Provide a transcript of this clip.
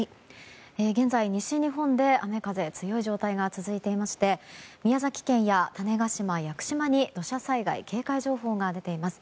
現在、西日本で雨風強い状態が続いていまして宮崎県や、種子島、屋久島に土砂災害警戒情報が出ています。